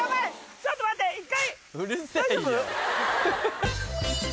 ちょっと待って１回。